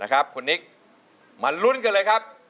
คุณนิกมาลุ้นกันเลยครับ